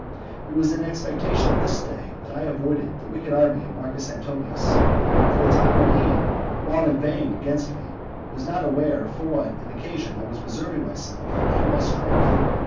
It was in expectation of this day that I avoided the wicked army of Marcus Antonius, at a time when he, while inveighing against me, was not aware for what an occasion I was reserving myself and my strength.